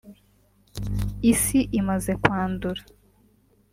isi imaze kwandura